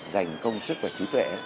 dành công sức và trí tuệ